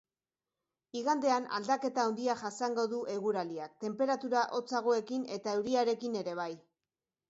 Igandean aldaketa handia jasango du eguraldiak, tenperatura hotzagoekin eta euriarekin ere bai.